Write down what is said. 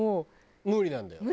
無理なんだよ！